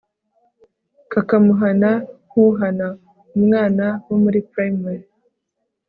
kakamuhana nkuhana umwana wo muri primary